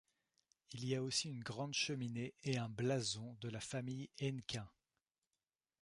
Il y a aussi une grande cheminée et un blason de la famille Hennequin.